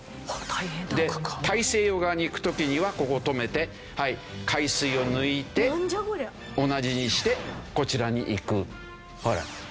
で大西洋側に行く時にはここを止めて海水を抜いて同じにしてこちらに行く。